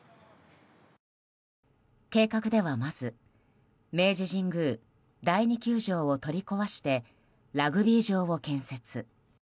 計画ではまず明治神宮第二球場を取り壊してラグビー場を建設。